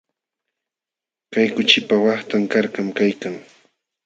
Kay kuchipa waqtan karkam kaykan.